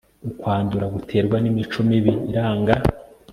ukwandura guterwa nimico mibi iranga